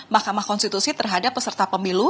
mahkamah konstitusi terhadap peserta pemilu